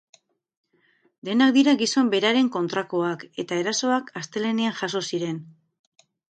Denak dira gizon beraren kontrakoak, eta erasoak astelehenean jazo ziren.